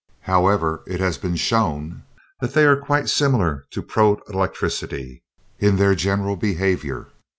However, it has been shown that they are quite similar to protelectricity in their general behavior.